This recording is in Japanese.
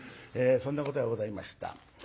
そんなことがございました。